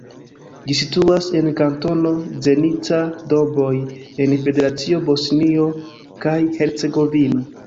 Ĝi situas en Kantono Zenica-Doboj en Federacio Bosnio kaj Hercegovino.